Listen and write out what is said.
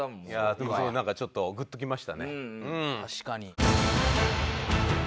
でもすごいちょっとグッときましたね。